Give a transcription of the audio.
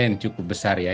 yang cukup besar ya